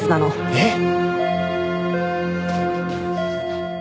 えっ！？